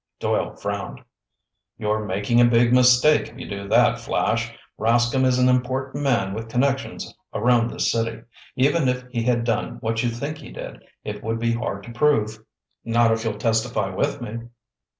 Doyle frowned. "You're making a big mistake if you do that, Flash. Rascomb is an important man with connections around this city. Even if he had done what you think he did, it would be hard to prove." "Not if you'll testify with me."